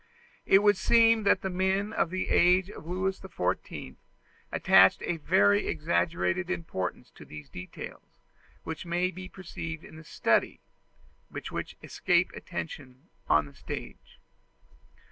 It would seem that the men of the age of Louis XIV attached very exaggerated importance to those details, which may be perceived in the study, but which escape attention on the stage.